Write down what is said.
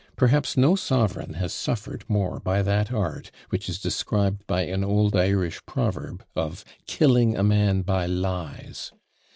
Perhaps no sovereign has suffered more by that art, which is described by an old Irish proverb, of "killing a man by lies."